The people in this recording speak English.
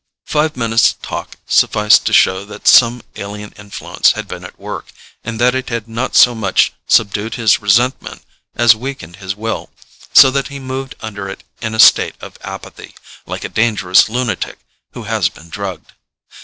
Five minutes' talk sufficed to show that some alien influence had been at work, and that it had not so much subdued his resentment as weakened his will, so that he moved under it in a state of apathy, like a dangerous lunatic who has been drugged.